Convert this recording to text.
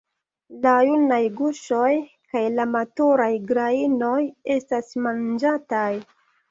La junaj guŝoj kaj la maturaj grajnoj estas manĝataj.